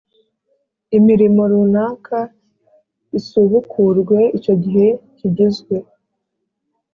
imirimo runaka isubukurwe Icyo gihe kigizwe